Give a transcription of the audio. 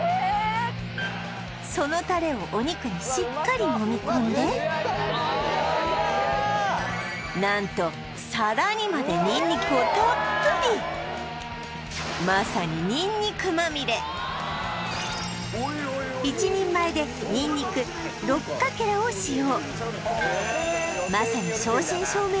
そのたれをお肉にしっかりもみ込んで何と皿にまでにんにくをたっぷりまさににんにくまみれ１人前でにんにく６かけらを使用